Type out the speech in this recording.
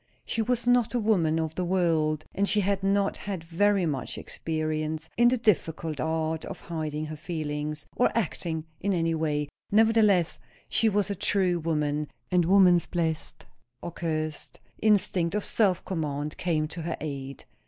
She was not a woman of the world, and she had not had very much experience in the difficult art of hiding her feelings, or acting in any way; nevertheless she was a true woman, and woman's blessed or cursed? instinct of self command came to her aid.